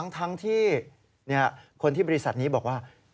ทั้งที่คนที่บริษัทนี้บอกว่า